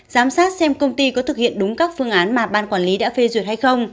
giám sát xem công ty có thực hiện đúng các phương án mà ban quản lý đã phê duyệt hay không